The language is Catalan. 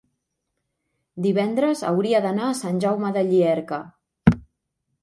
divendres hauria d'anar a Sant Jaume de Llierca.